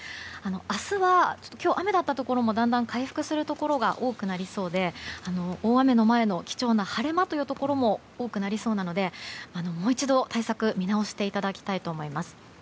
明日は、今日は雨だったところもだんだん回復するところが多くなりそうで大雨の前の貴重な晴れ間というところも多くなりそうなのでもう一度、対策を見直していただきたいと思います。